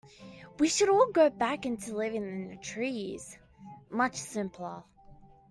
We should all go back to living in the trees, much simpler.